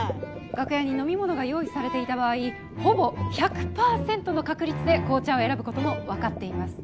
楽屋に飲み物が用意されていた場合ほぼ１００％の確率で紅茶を選ぶことも分かっています。